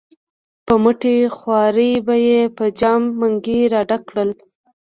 په مټې خوارۍ به یې په جام منګي را ډک کړل.